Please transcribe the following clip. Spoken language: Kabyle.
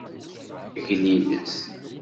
Glilez.